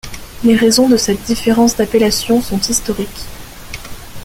Les raisons de cette différence d'appellation sont historiques.